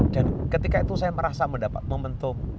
dan ketika itu saya merasa mendapat momentum